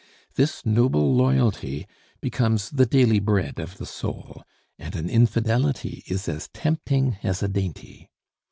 This noble loyalty becomes the daily bread of the soul, and an infidelity is as tempting as a dainty.